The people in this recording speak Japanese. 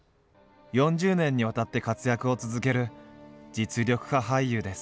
４０年にわたって活躍を続ける実力派俳優です。